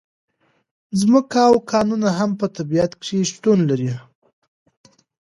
ځمکه او کانونه هم په طبیعت کې شتون لري.